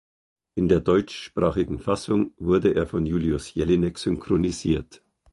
In der deutschsprachigen Fassung wurde er von Julius Jellinek synchronisiert.